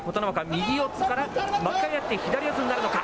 右四つから、向かい合って左四つになるのか。